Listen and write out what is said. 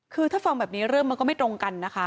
คือถ้าฟังแบบนี้เรื่องมันก็ไม่ตรงกันนะคะ